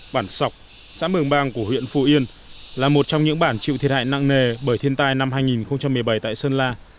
bản sọc xã mường bang của huyện phù yên là một trong những bản chịu thiệt hại nặng nề bởi thiên tai năm hai nghìn một mươi bảy tại sơn la